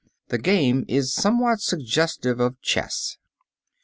The game is somewhat suggestive of chess.